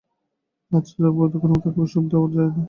আজ যার বৈধব্যয়যোগ তাকে ওসব আর দেয়া যায় না।